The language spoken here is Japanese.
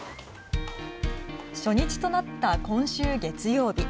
初日となった今週月曜日。